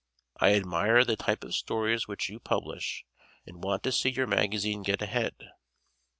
I admire the type of stories which you publish and want to see your magazine get ahead.